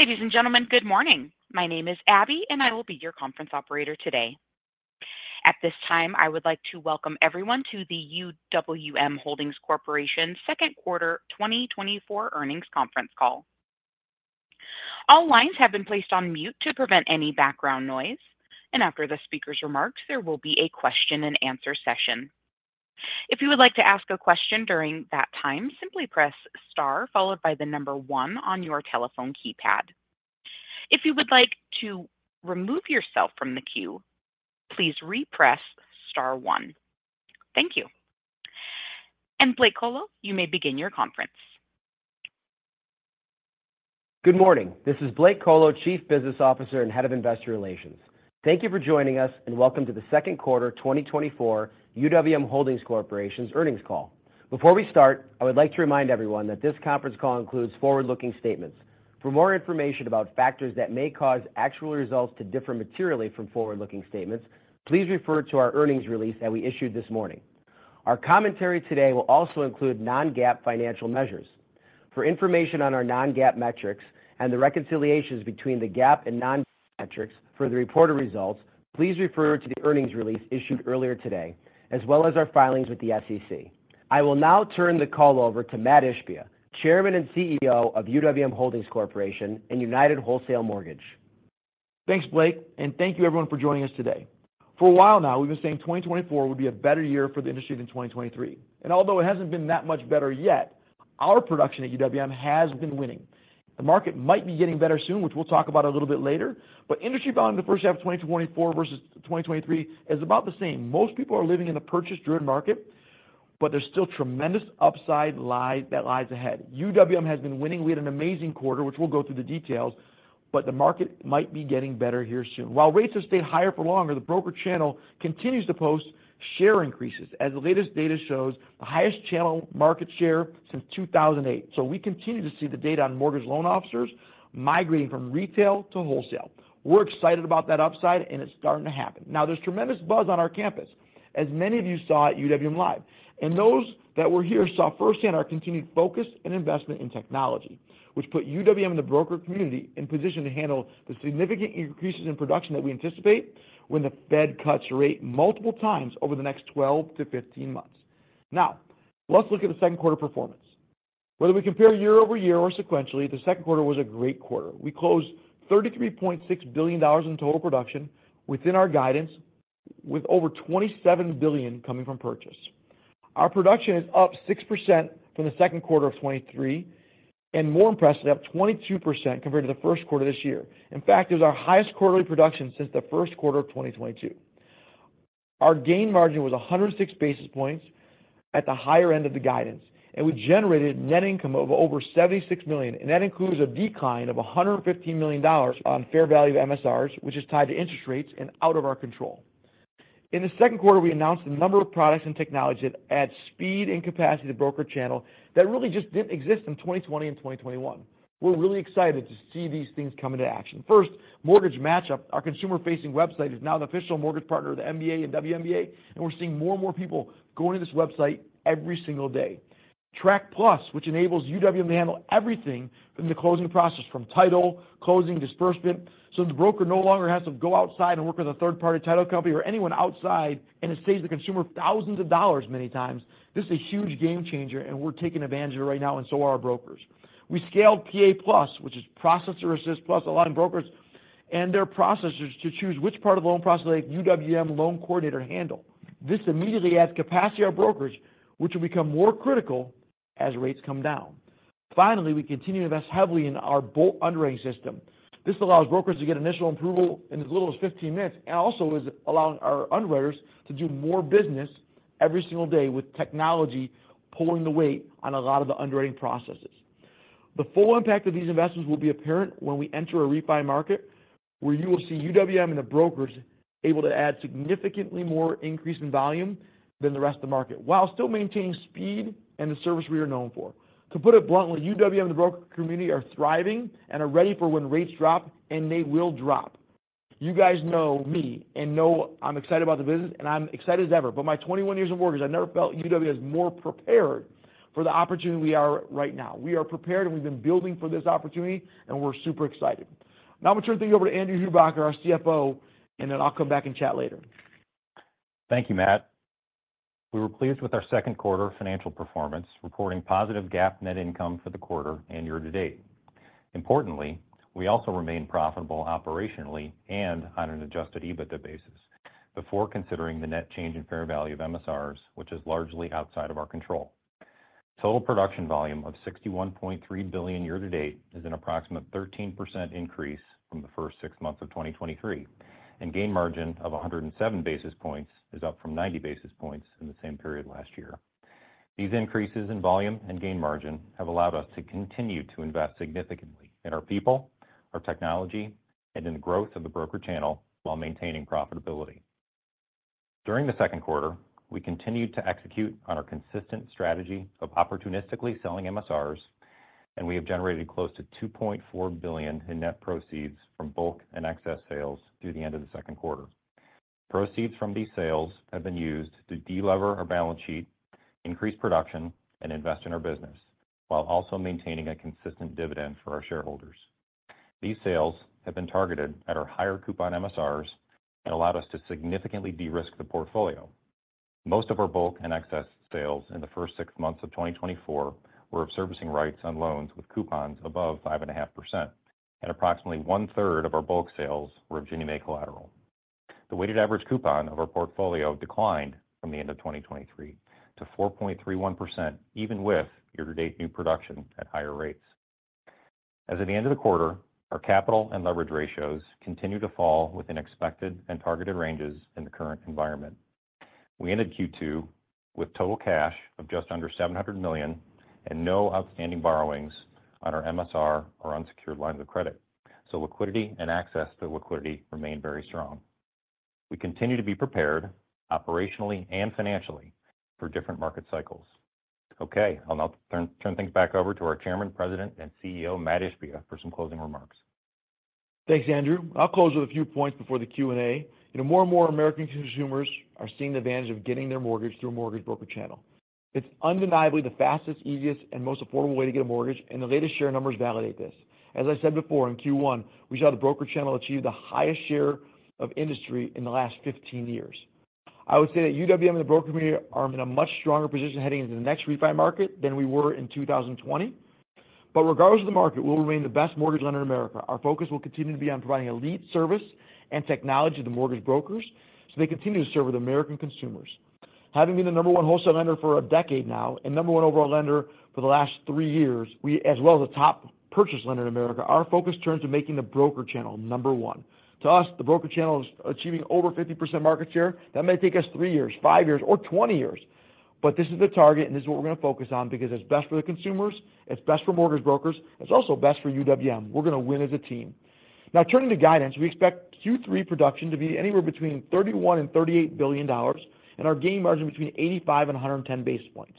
Ladies and gentlemen, good morning. My name is Abby, and I will be your conference operator today. At this time, I would like to welcome everyone to the UWM Holdings Corporation Second Quarter 2024 Earnings Conference Call. All lines have been placed on mute to prevent any background noise, and after the speaker's remarks, there will be a question-and-answer session. If you would like to ask a question during that time, simply press star followed by the number one on your telephone keypad. If you would like to remove yourself from the queue, please re-press star one. Thank you. Blake Kolo, you may begin your conference. Good morning. This is Blake Kolo, Chief Business Officer and Head of Investor Relations. Thank you for joining us, and welcome to the second quarter 2024 UWM Holdings Corporation's earnings call. Before we start, I would like to remind everyone that this conference call includes forward-looking statements. For more information about factors that may cause actual results to differ materially from forward-looking statements, please refer to our earnings release that we issued this morning. Our commentary today will also include non-GAAP financial measures. For information on our non-GAAP metrics and the reconciliations between the GAAP and non-GAAP metrics for the reported results, please refer to the earnings release issued earlier today, as well as our filings with the SEC. I will now turn the call over to Mat Ishbia, Chairman and CEO of UWM Holdings Corporation and United Wholesale Mortgage. Thanks, Blake, and thank you everyone for joining us today. For a while now, we've been saying 2024 would be a better year for the industry than 2023, and although it hasn't been that much better yet, our production at UWM has been winning. The market might be getting better soon, which we'll talk about a little bit later, but industry volume in the first half of 2024 versus 2023 is about the same. Most people are living in a purchase-driven market, but there's still tremendous upside that lies ahead. UWM has been winning. We had an amazing quarter, which we'll go through the details, but the market might be getting better here soon. While rates have stayed higher for longer, the broker channel continues to post share increases, as the latest data shows the highest channel market share since 2008. We continue to see the data on mortgage loan officers migrating from retail to wholesale. We're excited about that upside, and it's starting to happen. Now, there's tremendous buzz on our campus, as many of you saw at UWM Live. Those that were here saw firsthand our continued focus and investment in technology, which put UWM and the broker community in position to handle the significant increases in production that we anticipate when the Fed cuts rate multiple times over the next 12-15 months. Now, let's look at the second quarter performance. Whether we compare year-over-year or sequentially, the second quarter was a great quarter. We closed $33.6 billion in total production within our guidance, with over $27 billion coming from purchase. Our production is up 6% from the second quarter of 2023, and more impressive, up 22% compared to the first quarter this year. In fact, it was our highest quarterly production since the first quarter of 2022. Our gain margin was 106 basis points at the higher end of the guidance, and we generated net income of over $76 million, and that includes a decline of $115 million on fair value of MSRs, which is tied to interest rates and out of our control. In the second quarter, we announced a number of products and technologies that add speed and capacity to broker channel that really just didn't exist in 2020 and 2021. We're really excited to see these things come into action. First, Mortgage Matchup, our consumer-facing website, is now the official mortgage partner of the NBA and WNBA, and we're seeing more and more people going to this website every single day. Track+, which enables UWM to handle everything in the closing process, from title, closing, disbursement, so the broker no longer has to go outside and work with a third-party title company or anyone outside, and it saves the consumer thousands of dollars many times. This is a huge game changer, and we're taking advantage of it right now, and so are our brokers. We scaled PA+, which is Processor Assist+, allowing brokers and their processors to choose which part of the loan process UWM loan coordinator handle. This immediately adds capacity to our brokerage, which will become more critical as rates come down. Finally, we continue to invest heavily in our Bolt underwriting system. This allows brokers to get initial approval in as little as 15 minutes, and also is allowing our underwriters to do more business every single day with technology pulling the weight on a lot of the underwriting processes. The full impact of these investments will be apparent when we enter a refi market, where you will see UWM and the brokers able to add significantly more increase in volume than the rest of the market, while still maintaining speed and the service we are known for. To put it bluntly, UWM and the broker community are thriving and are ready for when rates drop, and they will drop. You guys know me and know I'm excited about the business, and I'm excited as ever. But my 21 years of work, I've never felt UWM is more prepared for the opportunity we are right now. We are prepared, and we've been building for this opportunity, and we're super excited. Now I'm going to turn things over to Andrew Hubacker, our CFO, and then I'll come back and chat later. Thank you, Mat. We were pleased with our second quarter financial performance, reporting positive GAAP net income for the quarter and year-to-date. Importantly, we also remained profitable operationally and on an adjusted EBITDA basis before considering the net change in fair value of MSRs, which is largely outside of our control. Total production volume of $61.3 billion year to date is an approximate 13% increase from the first 6-months of 2023, and gain margin of 107 basis points is up from 90 basis points in the same period last year. These increases in volume and gain margin have allowed us to continue to invest significantly in our people, our technology, and in the growth of the broker channel while maintaining profitability. During the second quarter, we continued to execute on our consistent strategy of opportunistically selling MSRs, and we have generated close to $2.4 billion in net proceeds from bulk and excess sales through the end of the second quarter. Proceeds from these sales have been used to delever our balance sheet, increase production, and invest in our business, while also maintaining a consistent dividend for our shareholders. These sales have been targeted at our higher coupon MSRs and allowed us to significantly de-risk the portfolio. Most of our bulk and excess sales in the first 6 months of 2024 were of servicing rights on loans with coupons above 5.5%, and approximately one-third of our bulk sales were Ginnie Mae collateral. The weighted average coupon of our portfolio declined from the end of 2023 to 4.31%, even with year-to-date new production at higher rates. As at the end of the quarter, our capital and leverage ratios continue to fall within expected and targeted ranges in the current environment. We ended Q2 with total cash of just under $700 million and no outstanding borrowings on our MSR or unsecured lines of credit, so liquidity and access to liquidity remain very strong. We continue to be prepared, operationally and financially, for different market cycles. Okay, I'll now turn things back over to our Chairman, President, and CEO, Mat Ishbia, for some closing remarks. Thanks, Andrew. I'll close with a few points before the Q&A. You know, more and more American consumers are seeing the advantage of getting their mortgage through a mortgage broker channel. It's undeniably the fastest, easiest, and most affordable way to get a mortgage, and the latest share numbers validate this. As I said before, in Q1, we saw the broker channel achieve the highest share of industry in the last 15 years. I would say that UWM and the broker community are in a much stronger position heading into the next refi market than we were in 2020. But regardless of the market, we'll remain the best mortgage lender in America. Our focus will continue to be on providing elite service and technology to mortgage brokers, so they continue to serve the American consumers. Having been the number 1 wholesale lender for a decade now, and number 1 overall lender for the last 3 years, we, as well as the top purchase lender in America, our focus turns to making the broker channel number 1. To us, the broker channel is achieving over 50% market share. That may take us 3 years, 5 years, or 20 years, but this is the target, and this is what we're going to focus on because it's best for the consumers, it's best for mortgage brokers, it's also best for UWM. We're going to win as a team. Now, turning to guidance, we expect Q3 production to be anywhere between $31 billion and $38 billion, and our gain margin between 85 and 110 basis points.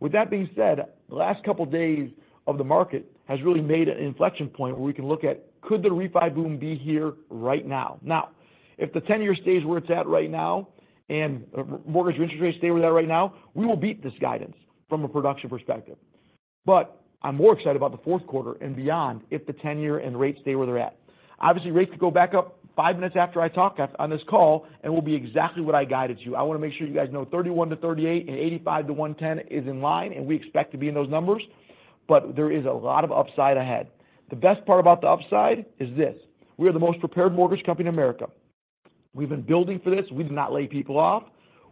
With that being said, the last couple of days of the market has really made an inflection point where we can look at, could the refi boom be here right now? Now, if the 10-year stays where it's at right now and mortgage interest rates stay where they're at right now, we will beat this guidance from a production perspective. But I'm more excited about the fourth quarter and beyond if the 10-year and rates stay where they're at. Obviously, rates could go back up five minutes after I talk on this call, and it will be exactly what I guided you. I want to make sure you guys know 31-38 and 85-110 is in line, and we expect to be in those numbers, but there is a lot of upside ahead. The best part about the upside is this: we are the most prepared mortgage company in America. We've been building for this. We did not lay people off.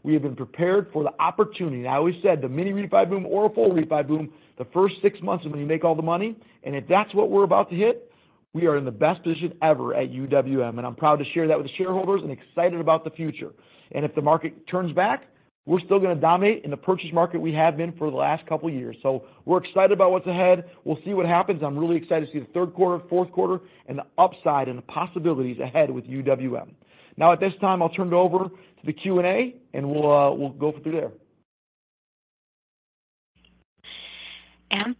We have been prepared for the opportunity. I always said, the mini refi boom or a full refi boom, the first 6 months is when you make all the money, and if that's what we're about to hit, we are in the best position ever at UWM, and I'm proud to share that with the shareholders and excited about the future. If the market turns back, we're still going to dominate in the purchase market we have been for the last couple of years. We're excited about what's ahead. We'll see what happens. I'm really excited to see the third quarter, fourth quarter, and the upside and the possibilities ahead with UWM. Now, at this time, I'll turn it over to the Q&A, and we'll, we'll go through there.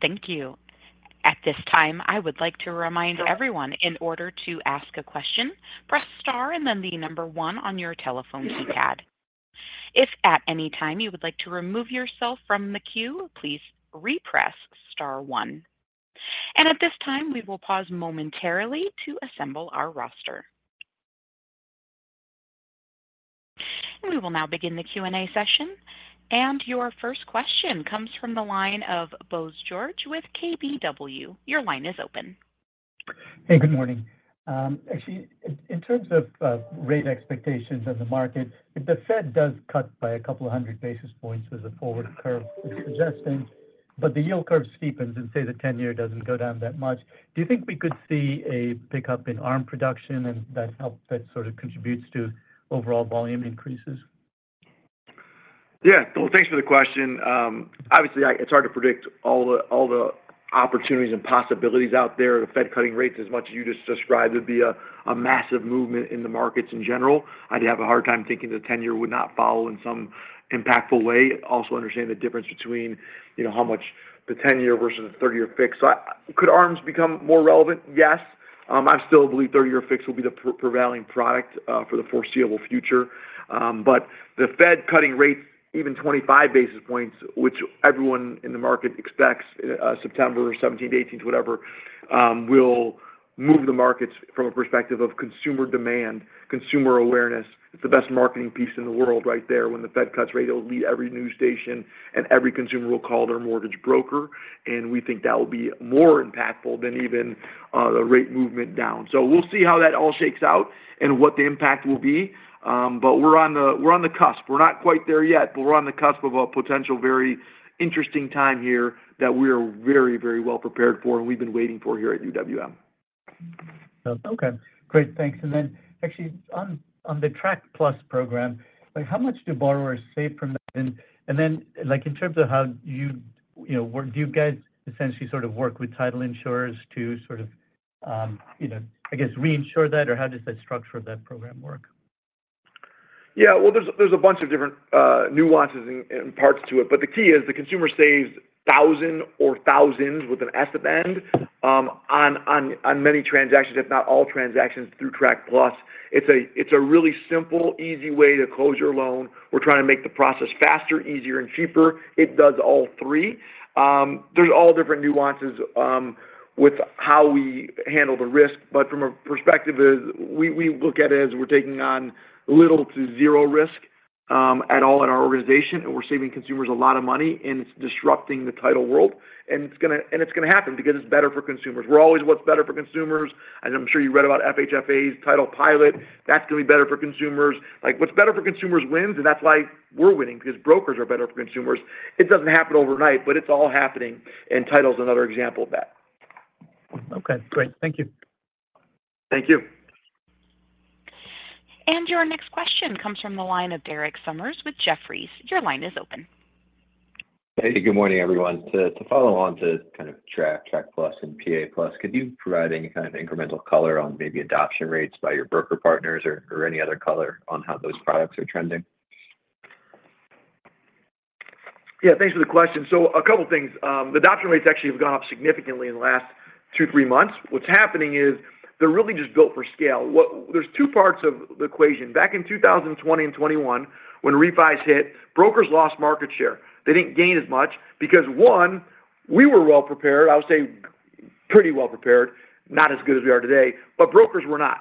Thank you. At this time, I would like to remind everyone, in order to ask a question, press star and then the number one on your telephone keypad. If at any time you would like to remove yourself from the queue, please re-press star one. At this time, we will pause momentarily to assemble our roster. We will now begin the Q&A session. Your first question comes from the line of Bose George with KBW. Your line is open. Hey, good morning. Actually, in terms of rate expectations in the market, if the Fed does cut by 200 basis points as the forward curve is suggesting, but the yield curve steepens and say the 10-year doesn't go down that much, do you think we could see a pickup in ARM production and that sort of contributes to overall volume increases? Yeah. Well, thanks for the question. Obviously, it's hard to predict all the, all the opportunities and possibilities out there. The Fed cutting rates as much as you just described, would be a, a massive movement in the markets in general. I'd have a hard time thinking the 10-year would not follow in some impactful way. Also understand the difference between, you know, how much 10-year versus the 30-year fixed. So could ARMs become more relevant? Yes. I still believe 30-year fixed will be the prevalent product, for the foreseeable future. But the Fed cutting rates, even 25 basis points, which everyone in the market expects, September 17, 18, whatever, will move the markets from a perspective of consumer demand, consumer awareness. It's the best marketing piece in the world right there. When the Fed cuts rate, it'll lead every news station, and every consumer will call their mortgage broker, and we think that will be more impactful than even the rate movement down. So we'll see how that all shakes out and what the impact will be. But we're on the cusp. We're not quite there yet, but we're on the cusp of a potential very interesting time here that we are very, very well prepared for and we've been waiting for here at UWM. Okay, great. Thanks. And then actually on, on the Track+ program, like, how much do borrowers save from that? And then, like, in terms of how you. You know, do you guys essentially sort of work with title insurers to sort of, you know, I guess, reinsure that, or how does the structure of that program work? Yeah, well, there's a bunch of different nuances and parts to it, but the key is the consumer saves thousand or thousands with an S at the end on many transactions, if not all transactions through Track+. It's a really simple, easy way to close your loan. We're trying to make the process faster, easier, and cheaper. It does all three. There's all different nuances with how we handle the risk, but from a perspective is, we look at it as we're taking on little to zero risk at all in our organization, and we're saving consumers a lot of money, and it's disrupting the title world. And it's gonna happen because it's better for consumers. We're always what's better for consumers, and I'm sure you read about FHFA's title pilot. That's gonna be better for consumers. Like, what's better for consumers wins, and that's why we're winning, because brokers are better for consumers. It doesn't happen overnight, but it's all happening, and title is another example of that. Okay, great. Thank you. Thank you. Your next question comes from the line of Derek Sommers with Jefferies. Your line is open. Hey, good morning, everyone. To follow on to kind of Track, Track+, and PA+, could you provide any kind of incremental color on maybe adoption rates by your broker partners or any other color on how those products are trending? Yeah, thanks for the question. So a couple of things. The adoption rates actually have gone up significantly in the last 2-3 months. What's happening is they're really just built for scale. There's two parts of the equation. Back in 2020 and 2021, when refis hit, brokers lost market share. They didn't gain as much because, one, we were well prepared. I would say pretty well prepared, not as good as we are today, but brokers were not.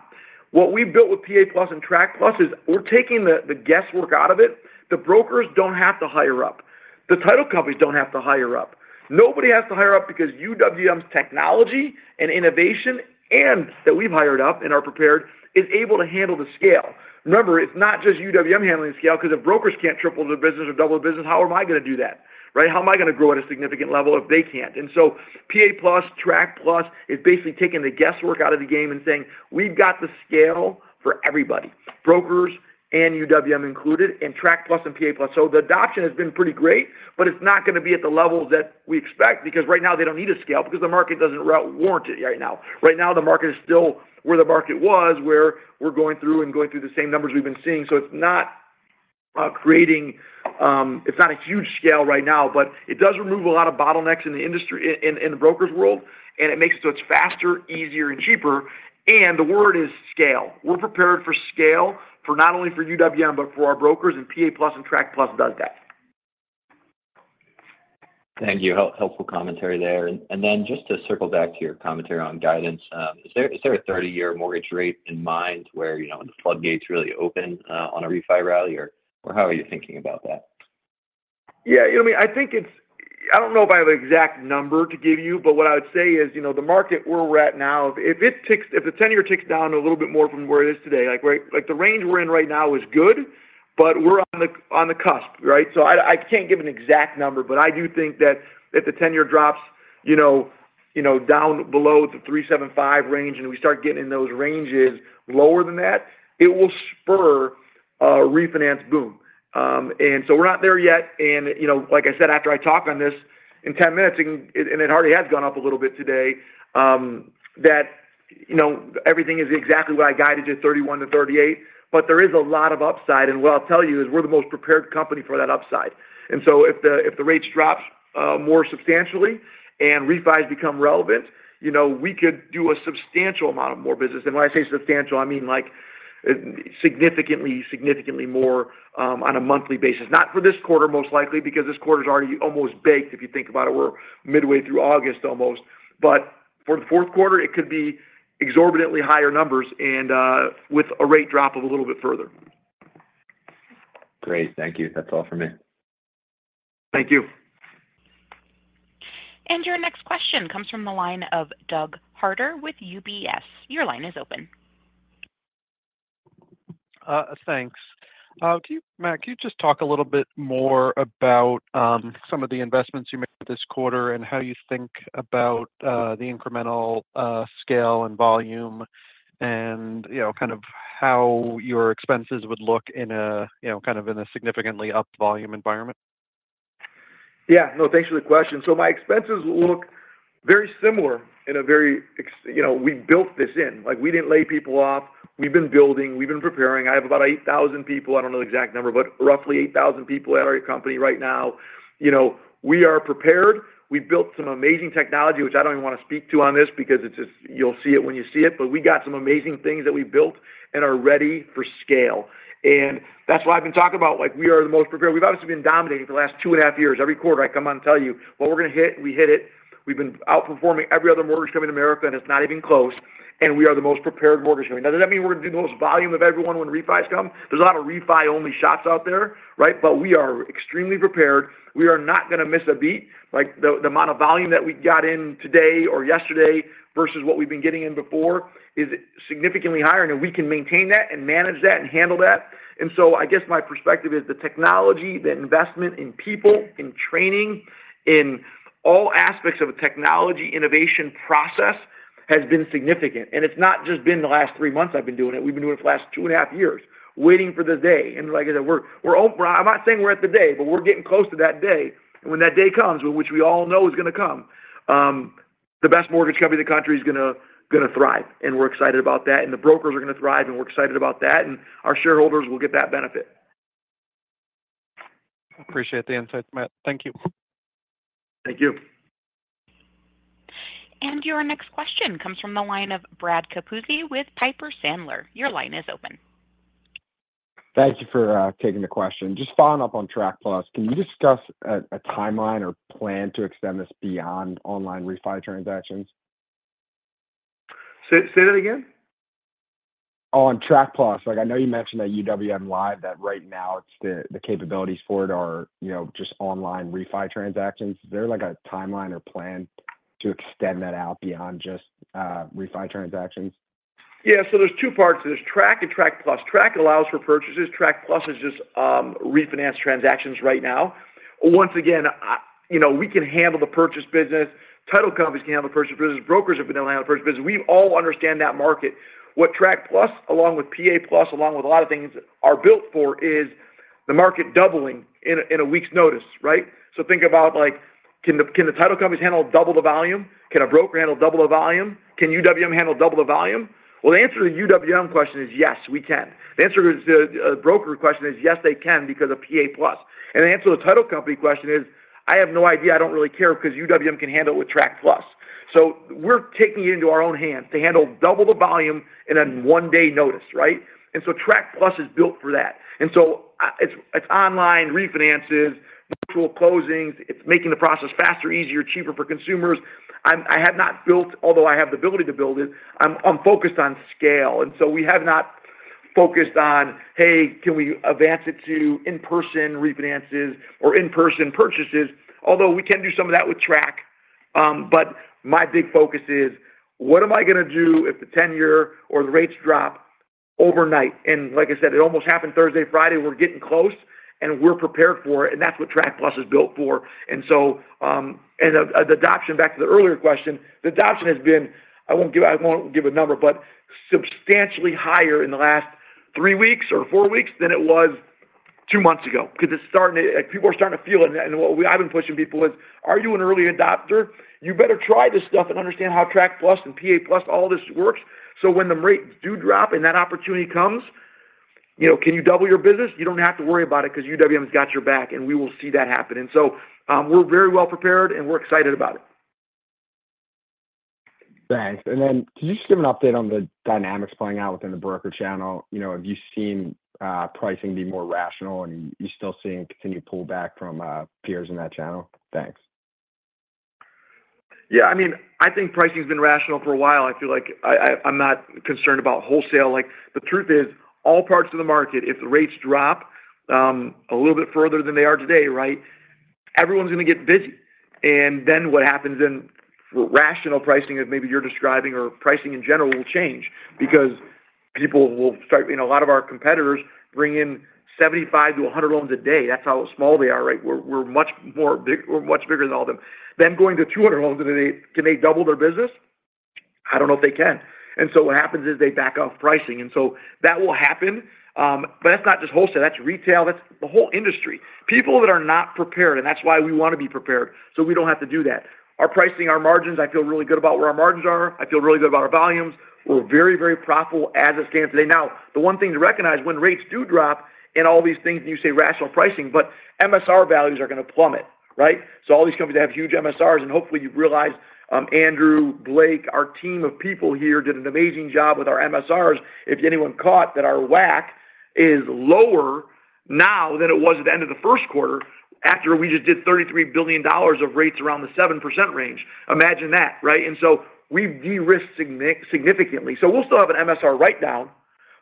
What we built with PA+ and Track+ is we're taking the, the guesswork out of it. The brokers don't have to hire up. The title companies don't have to hire up. Nobody has to hire up because UWM's technology and innovation, and that we've hired up and are prepared, is able to handle the scale. Remember, it's not just UWM handling the scale, 'cause if brokers can't triple their business or double their business, how am I gonna do that, right? How am I gonna grow at a significant level if they can't? And so PA+, Track+ is basically taking the guesswork out of the game and saying, "We've got the scale for everybody, brokers and UWM included, and Track+ and PA+." So the adoption has been pretty great, but it's not gonna be at the levels that we expect, because right now they don't need a scale because the market doesn't warrant it right now. Right now, the market is still where the market was, where we're going through and going through the same numbers we've been seeing. So it's not creating, it's not a huge scale right now, but it does remove a lot of bottlenecks in the industry, in the brokers world, and it makes it so it's faster, easier, and cheaper, and the word is scale. We're prepared for scale for not only for UWM, but for our brokers, and PA+ and Track+ does that. Thank you. Helpful commentary there. And then just to circle back to your commentary on guidance, is there a 30-year mortgage rate in mind where, you know, when the floodgates really open on a refi rally, or how are you thinking about that? Yeah, you know me, I think it's—I don't know if I have an exact number to give you, but what I would say is, you know, the market where we're at now, if the 10-year ticks down a little bit more from where it is today, like, where, like, the range we're in right now is good, but we're on the, on the cusp, right? So I, I can't give an exact number, but I do think that if the 10-year drops, you know, you know, down below the 3.75 range, and we start getting in those ranges lower than that, it will spur a refinance boom. And so we're not there yet, and, you know, like I said, after I talk on this, in 10 minutes, it, it and it already has gone up a little bit today, that, you know, everything is exactly what I guided you, 31-38, but there is a lot of upside. And what I'll tell you is we're the most prepared company for that upside. And so if the, if the rates drop, more substantially and refis become relevant, you know, we could do a substantial amount of more business. And when I say substantial, I mean, like, significantly, significantly more, on a monthly basis. Not for this quarter, most likely, because this quarter is already almost baked. If you think about it, we're midway through August, almost. But for the fourth quarter, it could be exorbitantly higher numbers and, with a rate drop of a little bit further. Great. Thank you. That's all for me. Thank you. Your next question comes from the line of Doug Harter with UBS. Your line is open. Thanks. Can you, Mat, can you just talk a little bit more about some of the investments you made this quarter and how you think about the incremental scale and volume and, you know, kind of how your expenses would look in a, you know, kind of in a significantly up volume environment? Yeah. No, thanks for the question. So my expenses look very similar in a very—you know, we built this in. Like, we didn't lay people off. We've been building, we've been preparing. I have about 8,000 people. I don't know the exact number, but roughly 8,000 people at our company right now. You know, we are prepared. We've built some amazing technology, which I don't even want to speak to on this because it's just, you'll see it when you see it. But we got some amazing things that we built and are ready for scale. And that's what I've been talking about, like, we are the most prepared. We've obviously been dominating for the last 2.5 years. Every quarter, I come out and tell you, what we're gonna hit, we hit it. We've been outperforming every other mortgage company in America, and it's not even close, and we are the most prepared mortgage company. Now, does that mean we're gonna do the most volume of everyone when refis come? There's a lot of refi-only shops out there, right? But we are extremely prepared. We are not gonna miss a beat. Like, the amount of volume that we got in today or yesterday versus what we've been getting in before is significantly higher, and we can maintain that and manage that and handle that. And so I guess my perspective is the technology, the investment in people, in training, in all aspects of a technology innovation process has been significant. And it's not just been the last 3 months I've been doing it. We've been doing it for the last 2.5 years, waiting for this day. And like I said, I'm not saying we're at the day, but we're getting close to that day. And when that day comes, which we all know is gonna come, the best mortgage company in the country is gonna thrive, and we're excited about that, and the brokers are gonna thrive, and we're excited about that, and our shareholders will get that benefit. Appreciate the insights, Mat. Thank you. Thank you. Your next question comes from the line of Brad Capuzzi with Piper Sandler. Your line is open. Thank you for taking the question. Just following up on Track+, can you discuss a timeline or plan to extend this beyond online refi transactions? Say, say that again? On Track+, like, I know you mentioned at UWM Live, that right now, it's the capabilities for it are, you know, just online refi transactions. Is there, like, a timeline or plan to extend that out beyond just refi transactions? Yeah, so there's two parts. There's Track and Track+. Track allows for purchases. Track+ is just refinance transactions right now. Once again, you know, we can handle the purchase business, title companies can handle the purchase business, brokers have been able to handle the purchase business. We all understand that market. What Track+, along with PA+, along with a lot of things, are built for is the market doubling in a week's notice, right? So think about, like, can the title companies handle double the volume? Can a broker handle double the volume? Can UWM handle double the volume? Well, the answer to the UWM question is, yes, we can. The answer to the broker question is, yes, they can, because of PA+. The answer to the title company question is, I have no idea, I don't really care, because UWM can handle it with Track+. So we're taking it into our own hands to handle double the volume in a one-day notice, right? And so Track+ is built for that. It's online refinances, virtual closings. It's making the process faster, easier, cheaper for consumers. I have not built, although I have the ability to build it, I'm focused on scale, and so we have not focused on, hey, can we advance it to in-person refinances or in-person purchases? Although, we can do some of that with Track, but my big focus is, what am I gonna do if the10-year or the rates drop overnight? And like I said, it almost happened Thursday, Friday. We're getting close, and we're prepared for it, and that's what Track+ is built for. And so, and the adoption, back to the earlier question, the adoption has been, I won't give- I won't give a number, but substantially higher in the last 3-weeks or 4-weeks than it was 2 months ago. Because it's starting to. Like, people are starting to feel it. And I've been pushing people is, "Are you an early adopter? You better try this stuff and understand how Track+ and PA+, all this works, so when the rates do drop and that opportunity comes, you know, can you double your business? You don't have to worry about it, 'cause UWM's got your back, and we will see that happen." And so, we're very well prepared, and we're excited about it. Thanks. And then, can you just give an update on the dynamics playing out within the broker channel? You know, have you seen, pricing be more rational, and are you still seeing continued pullback from, peers in that channel? Thanks. Yeah, I mean, I think pricing's been rational for a while. I feel like I'm not concerned about wholesale. Like, the truth is, all parts of the market, if the rates drop a little bit further than they are today, right, everyone's gonna get busy. And then what happens in rational pricing that maybe you're describing or pricing in general will change because people will start. You know, a lot of our competitors bring in 75 to 100 loans a day. That's how small they are, right? We're much bigger than all of them. Then going to 200 loans, can they double their business? I don't know if they can. And so what happens is they back off pricing, and so that will happen. But that's not just wholesale, that's retail, that's the whole industry. People that are not prepared, and that's why we want to be prepared, so we don't have to do that. Our pricing, our margins, I feel really good about where our margins are. I feel really good about our volumes. We're very, very profitable as it stands today. Now, the one thing to recognize, when rates do drop and all these things, and you say rational pricing, but MSR values are gonna plummet, right? So all these companies that have huge MSRs, and hopefully you've realized, Andrew, Blake, our team of people here did an amazing job with our MSRs. If anyone caught that our WAC is lower now than it was at the end of the first quarter, after we just did $33 billion of rates around the 7% range. Imagine that, right? And so we've de-risked significantly. So we'll still have an MSR write down,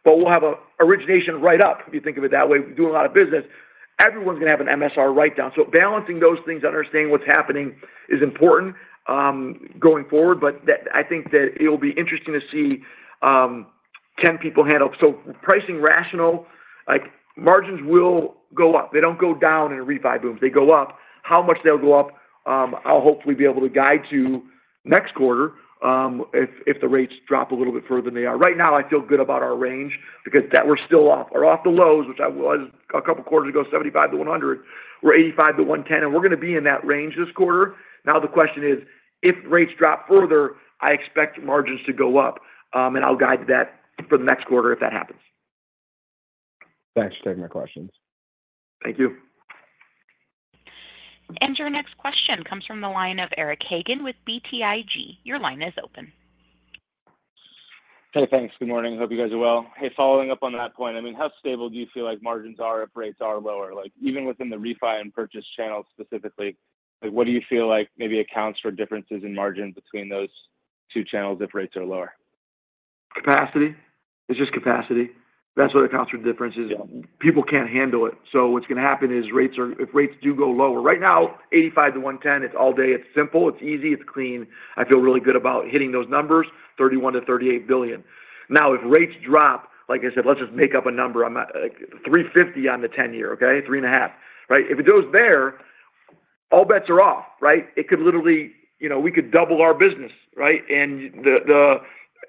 but we'll have a origination write up, if you think of it that way. We're doing a lot of business. Everyone's gonna have an MSR write down. So balancing those things and understanding what's happening is important, going forward. But that, I think that it'll be interesting to see, can people handle. So pricing rational, like, margins will go up. They don't go down in a refi boom, they go up. How much they'll go up, I'll hopefully be able to guide you next quarter, if, if the rates drop a little bit further than they are. Right now, I feel good about our range because that we're still off. We're off the lows, which I was a couple of quarters ago, 75-100. We're 85-110, and we're gonna be in that range this quarter. Now, the question is, if rates drop further, I expect margins to go up, and I'll guide to that for the next quarter if that happens. Thanks for taking my questions. Thank you. Your next question comes from the line of Eric Hagen with BTIG. Your line is open. Hey, thanks. Good morning. Hope you guys are well. Hey, following up on that point, I mean, how stable do you feel like margins are if rates are lower? Like, even within the refi and purchase channels specifically, like, what do you feel like maybe accounts for differences in margins between those 2-channels if rates are lower? Capacity. It's just capacity. That's what accounts for the differences. Yeah. People can't handle it. So what's gonna happen is rates are if rates do go lower. Right now, 85-110, it's all day. It's simple, it's easy, it's clean. I feel really good about hitting those numbers, $31 billion-$38 billion. Now, if rates drop, like I said, let's just make up a number. I'm not 3.50 on the 10-year, okay? 3.5, right? If it goes there, all bets are off, right? It could literally. You know, we could double our business, right? And the, and now,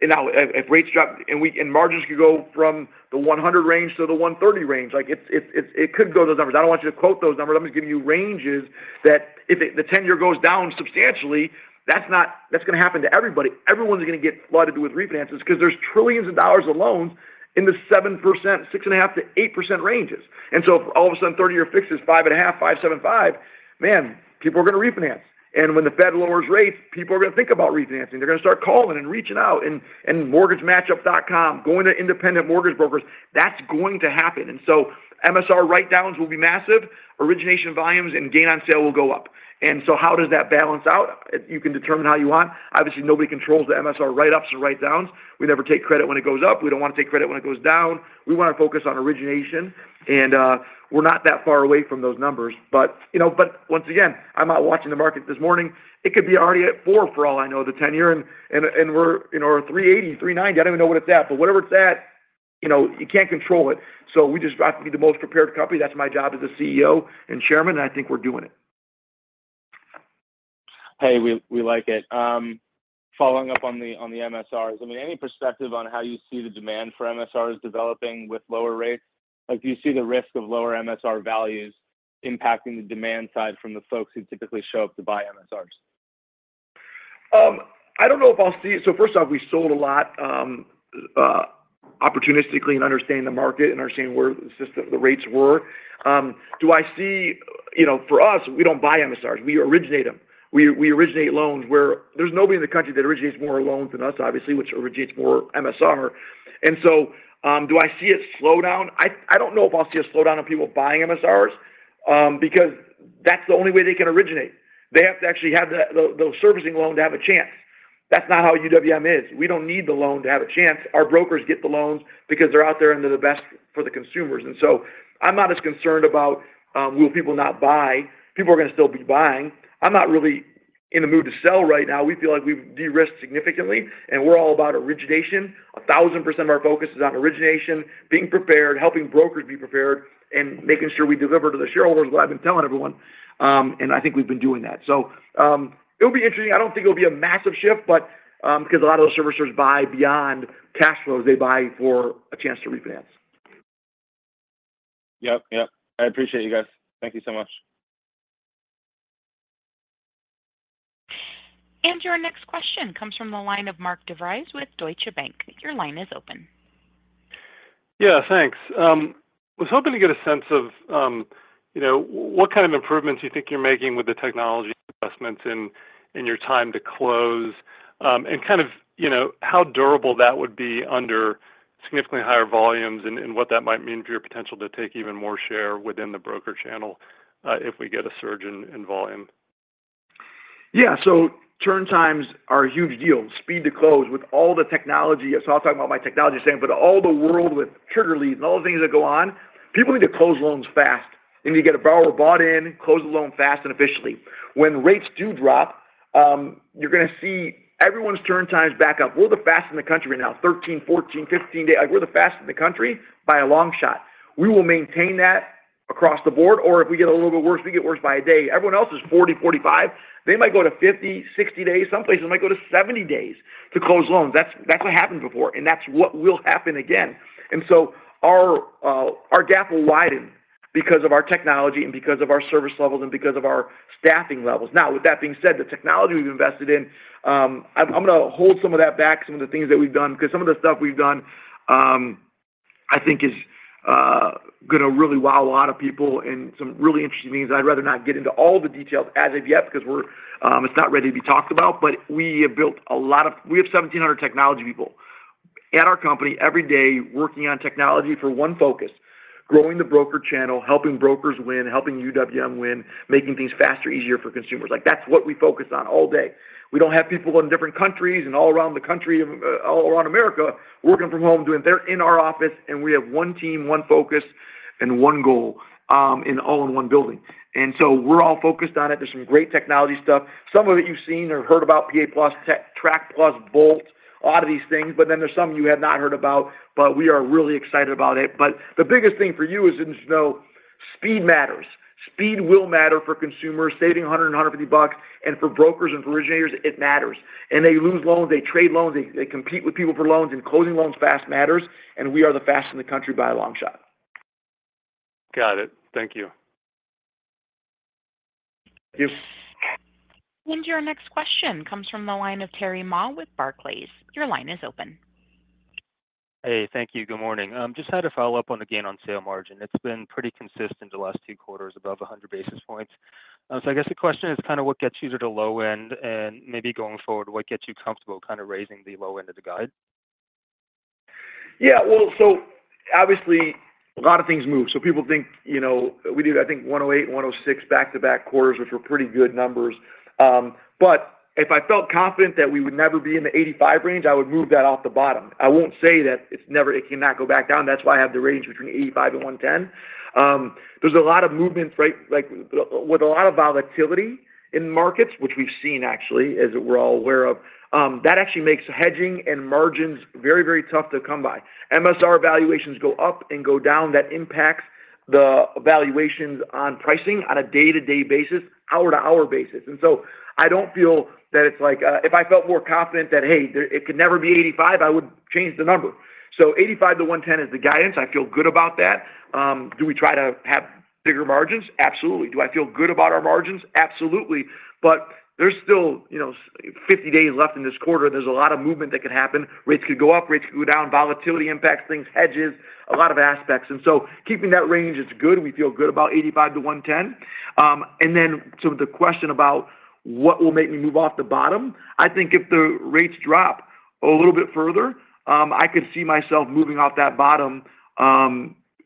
if rates drop and we and margins could go from the 100 range to the 130 range, like, it's, it could go those numbers. I don't want you to quote those numbers. I'm just giving you ranges that if it, the 10-year goes down substantially, that's not- that's gonna happen to everybody. Everyone's gonna get flooded with refinances, 'cause there's trillions of dollars of loans in the 7%, 6.5%-8% ranges. And so all of a sudden, 30-year fixed is 5.5, 5.75, man, people are going to refinance. And when the Fed lowers rates, people are going to think about refinancing. They're going to start calling and reaching out and, and MortgageMatchup.com, going to independent mortgage brokers. That's going to happen. And so MSR write-downs will be massive. Origination volumes and gain on sale will go up. And so how does that balance out? You can determine how you want. Obviously, nobody controls the MSR write-ups or write-downs. We never take credit when it goes up. We don't want to take credit when it goes down. We want to focus on origination, and we're not that far away from those numbers. But, you know, but once again, I'm out watching the market this morning. It could be already at 4 for all I know, the 10-year, and we're in our 3.80, 3.90. I don't even know what it's at, but whatever it's at, you know, you can't control it. So we just have to be the most prepared company. That's my job as a CEO and Chairman, and I think we're doing it. Hey, we like it. Following up on the MSRs, I mean, any perspective on how you see the demand for MSRs developing with lower rates? Like, do you see the risk of lower MSR values impacting the demand side from the folks who typically show up to buy MSRs? I don't know if I'll see it. So first off, we sold a lot, opportunistically and understanding the market and understanding where the system, the rates were. Do I see? You know, for us, we don't buy MSRs, we originate them. We originate loans where there's nobody in the country that originates more loans than us, obviously, which originates more MSR. And so, do I see a slowdown? I don't know if I'll see a slowdown of people buying MSRs, because that's the only way they can originate. They have to actually have the those servicing loan to have a chance. That's not how UWM is. We don't need the loan to have a chance. Our brokers get the loans because they're out there, and they're the best for the consumers. So I'm not as concerned about will people not buy? People are going to still be buying. I'm not really in the mood to sell right now. We feel like we've de-risked significantly, and we're all about origination. 1000% of our focus is on origination, being prepared, helping brokers be prepared, and making sure we deliver to the shareholders. Well, I've been telling everyone, and I think we've been doing that. It'll be interesting. I don't think it'll be a massive shift, but because a lot of those servicers buy beyond cash flows, they buy for a chance to refinance. Yep, yep. I appreciate you guys. Thank you so much. Our next question comes from the line of Mark DeVries with Deutsche Bank. Your line is open. Yeah, thanks. I was hoping to get a sense of, you know, what kind of improvements you think you're making with the technology investments in your time to close, and kind of, you know, how durable that would be under significantly higher volumes, and what that might mean for your potential to take even more share within the broker channel, if we get a surge in volume. Yeah, so turn times are a huge deal. Speed to close with all the technology. So I'll talk about my technology saying, but in the world with trigger leads and all the things that go on, people need to close loans fast. They need to get a borrower bought in, close the loan fast and efficiently. When rates do drop, you're gonna see everyone's turn times back up. We're the fastest in the country right now, 13, 14, 15 days. Like, we're the fastest in the country by a long shot. We will maintain that across the board, or if we get a little bit worse, we get worse by a day. Everyone else is 40, 45. They might go to 50, 60 days. Some places might go to 70 days to close loans. That's, that's what happened before, and that's what will happen again. And so our gap will widen because of our technology, and because of our service levels, and because of our staffing levels. Now, with that being said, the technology we've invested in, I'm gonna hold some of that back, some of the things that we've done, because some of the stuff we've done, I think is gonna really wow a lot of people in some really interesting ways. I'd rather not get into all the details as of yet because it's not ready to be talked about. But we have 1,700 technology people at our company every day working on technology for one focus: growing the broker channel, helping brokers win, helping UWM win, making things faster, easier for consumers. Like, that's what we focus on all day. We don't have people in different countries and all around the country, and all around America working from home. They're in our office, and we have one team, one focus, and one goal, and all in one building. So we're all focused on it. There's some great technology stuff. Some of it you've seen or heard about, PA+, Track, Track+, Bolt, a lot of these things. But then there's some you have not heard about, but we are really excited about it. But the biggest thing for you is just to know speed matters. Speed will matter for consumers, saving $100-$150 bucks, and for brokers and for originators, it matters. And they lose loans, they trade loans, they compete with people for loans, and closing loans fast matters, and we are the fastest in the country by a long shot. Got it. Thank you. Yes. Your next question comes from the line of Terry Ma with Barclays. Your line is open. Hey, thank you. Good morning. Just had to follow up on the gain on sale margin. It's been pretty consistent the last two quarters, above 100 basis points. So I guess the question is kind of what gets you to the low end? And maybe going forward, what gets you comfortable kind of raising the low end of the guide? Yeah, well, so obviously, a lot of things move. So people think, you know, we did, I think, 108, 106 back-to-back quarters, which were pretty good numbers. But if I felt confident that we would never be in the 85 range, I would move that off the bottom. I won't say that it's never- it cannot go back down. That's why I have the range between 85 and 110. There's a lot of movements, right? Like, with a lot of volatility in markets, which we've seen actually, as we're all aware of, that actually makes hedging and margins very, very tough to come by. MSR valuations go up and go down. That impacts the valuations on pricing on a day-to-day basis, hour-to-hour basis. And so I don't feel that it's like, if I felt more confident that, hey, it could never be 85, I would change the number. So 85-110 is the guidance. I feel good about that. Do we try to have bigger margins? Absolutely. Do I feel good about our margins? Absolutely. But there's still, you know, 50 days left in this quarter. There's a lot of movement that could happen. Rates could go up, rates could go down, volatility impacts things, hedges, a lot of aspects. And so keeping that range is good. We feel good about 85-110. And then to the question about what will make me move off the bottom, I think if the rates drop a little bit further, I could see myself moving off that bottom,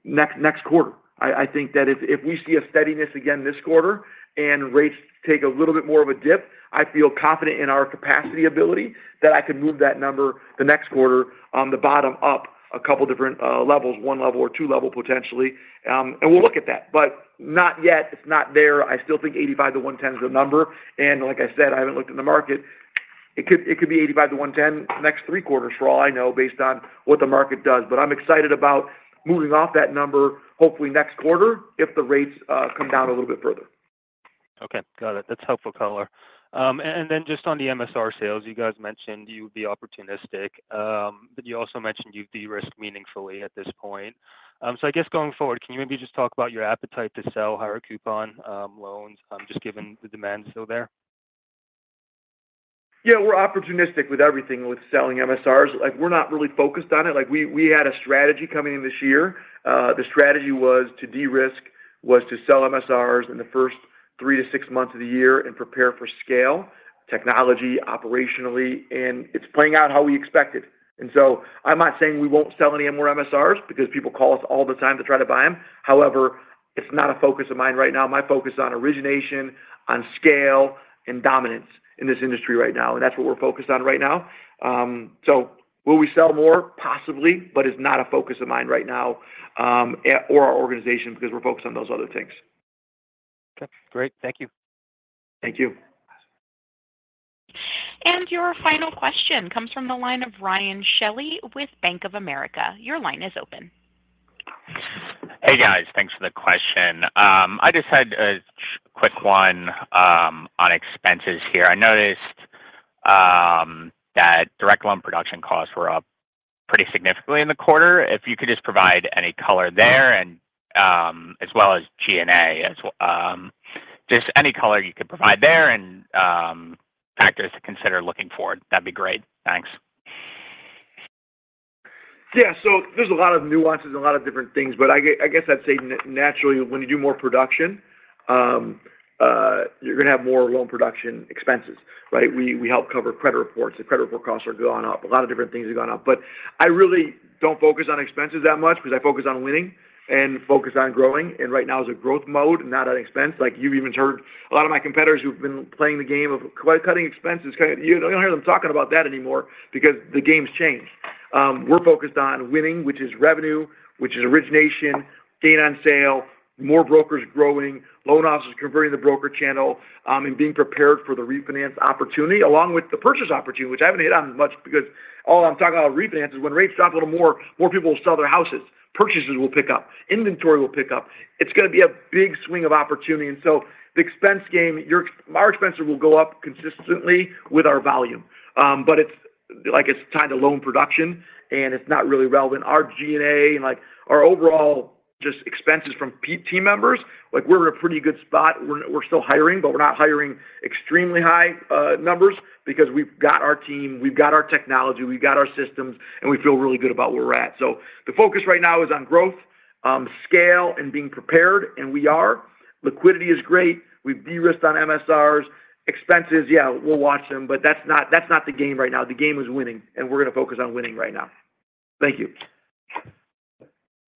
next quarter. I think that if we see a steadiness again this quarter and rates take a little bit more of a dip, I feel confident in our capacity ability that I could move that number the next quarter on the bottom up a couple different levels, 1 level or 2 level, potentially. And we'll look at that, but not yet. It's not there. I still think 85-110 is the number, and like I said, I haven't looked in the market. It could be 85-110 the next 3 quarters for all I know, based on what the market does. But I'm excited about moving off that number, hopefully next quarter, if the rates come down a little bit further. Okay, got it. That's helpful color. And then just on the MSR sales, you guys mentioned you'd be opportunistic, but you also mentioned you've de-risked meaningfully at this point. So I guess going forward, can you maybe just talk about your appetite to sell higher coupon loans, just given the demand still there? Yeah, we're opportunistic with everything with selling MSRs. Like, we're not really focused on it. Like, we, we had a strategy coming in this year. The strategy was to de-risk, was to sell MSRs in the first 3-6 months of the year and prepare for scale, technology, operationally, and it's playing out how we expected. And so I'm not saying we won't sell any more MSRs, because people call us all the time to try to buy them. However, it's not a focus of mine right now. My focus is on origination, on scale, and dominance in this industry right now, and that's what we're focused on right now. So will we sell more? Possibly, but it's not a focus of mine right now, or our organization, because we're focused on those other things. Okay, great. Thank you. Thank you. Your final question comes from the line of Ryan Shelley with Bank of America. Your line is open. Hey, guys. Thanks for the question. I just had a quick one on expenses here. I noticed that direct loan production costs were up pretty significantly in the quarter. If you could just provide any color there, and as well as G&A. Just any color you could provide there and factors to consider looking forward, that'd be great. Thanks. Yeah, so there's a lot of nuances and a lot of different things, but I guess I'd say naturally, when you do more production, you're gonna have more loan production expenses, right? We, we help cover credit reports. The credit report costs have gone up. A lot of different things have gone up. But I really don't focus on expenses that much because I focus on winning and focus on growing, and right now is a growth mode, not an expense. Like, you've even heard a lot of my competitors who've been playing the game of cutting expenses. Kind of, you don't hear them talking about that anymore because the game's changed. We're focused on winning, which is revenue, which is origination, gain on sale, more brokers growing, loan officers converting the broker channel, and being prepared for the refinance opportunity, along with the purchase opportunity, which I haven't hit on as much because all I'm talking about refinances. When rates drop a little more, more people will sell their houses. Purchases will pick up, inventory will pick up. It's gonna be a big swing of opportunity. And so the expense game, our expenses will go up consistently with our volume. But it's like, it's tied to loan production, and it's not really relevant. Our G&A, and, like, our overall just expenses from payroll team members, like, we're in a pretty good spot. We're still hiring, but we're not hiring extremely high numbers because we've got our team, we've got our technology, we've got our systems, and we feel really good about where we're at. So the focus right now is on growth, scale, and being prepared, and we are. Liquidity is great. We've de-risked on MSRs. Expenses, yeah, we'll watch them, but that's not the game right now. The game is winning, and we're gonna focus on winning right now. Thank you.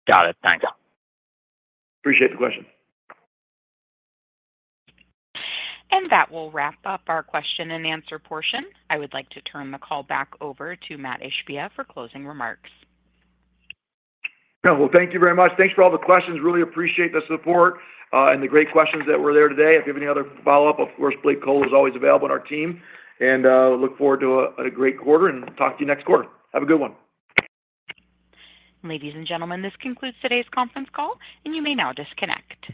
Got it. Thanks. Appreciate the question. That will wrap up our question and answer portion. I would like to turn the call back over to Mat Ishbia for closing remarks. Yeah. Well, thank you very much. Thanks for all the questions. Really appreciate the support, and the great questions that were there today. If you have any other follow-up, of course, Blake Kolo is always available in our team, and look forward to a great quarter and talk to you next quarter. Have a good one. Ladies and gentlemen, this concludes today's conference call, and you may now disconnect.